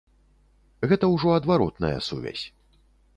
Гэта ўжо адваротная сувязь.